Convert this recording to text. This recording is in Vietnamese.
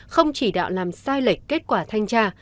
không chỉ đạo làm sai lệch kết quả thanh tra